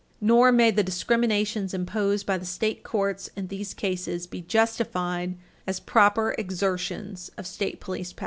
Nor may the discriminations imposed by the state courts in these cases be justified as proper exertions of state police power.